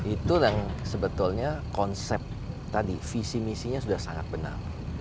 itu yang sebetulnya konsep tadi visi misinya sudah sangat benar